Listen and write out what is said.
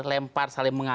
lempar saling mengatasi